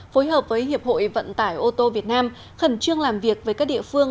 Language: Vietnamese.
phối hợp với hiệp hội vận tải ô tô việt nam khẩn trương làm việc với các địa phương